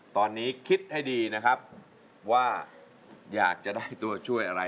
ตอนนี้คิดให้ดีนะครับว่าอยากจะได้ตัวช่วยอะไร